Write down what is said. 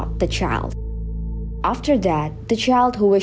setelah itu anak yang ingin berkahwin